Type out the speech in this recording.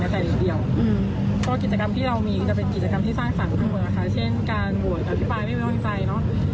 เหมือนกันค่ะเช่นการโหวดกับที่ปลาไม่มีความรุนใจเนอะ